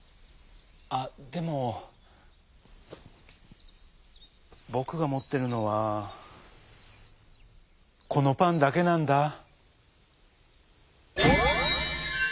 あっでもぼくがもってるのはこのパンだけなんだ」。